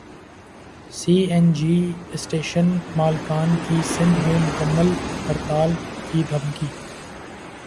سی N G station مالکان کی سندھ میں مکمل ہڑتال کی دھمکی